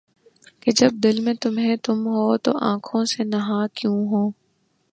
کہ جب دل میں تمھیں تم ہو‘ تو آنکھوں سے نہاں کیوں ہو؟